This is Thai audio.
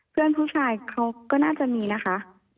เพื่อนผู้ชายเขาก็น่าจะมีนะคะ